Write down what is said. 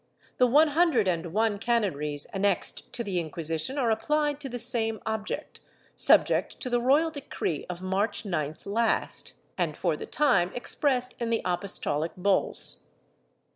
The one hundred and one canonries annexed to the Inquisition are applied to the same object, subject to the royal decree of March 9th last, and for the time expressed in the Apos tolic bulls.